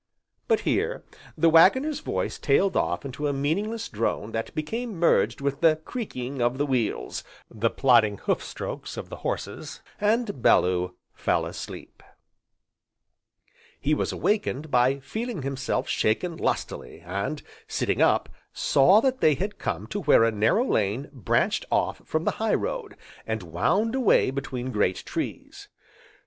But here, the Waggoner's voice tailed off into a meaningless drone that became merged with the creaking of the wheels, the plodding hoof strokes of the horses, and Bellew fell asleep. He was awakened by feeling himself shaken lustily, and, sitting up, saw that they had come to where a narrow lane branched off from the high road, and wound away between great trees.